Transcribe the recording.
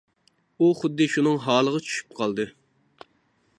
ئۇ خۇددى شۇنىڭ ھالىغا چۈشۈپ قالدى.